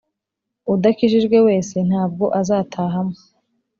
udakijijwe wese ntabwo azatahamo,